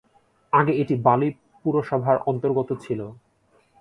আগে এটি বালি পুরসভার অন্তর্গত ছিল।